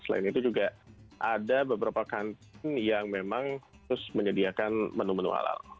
selain itu juga ada beberapa kantin yang memang khusus menyediakan menu menu halal